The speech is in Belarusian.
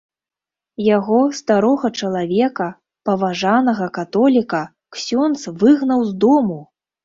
Яго, старога чалавека, паважанага католіка, ксёндз выгнаў з дому!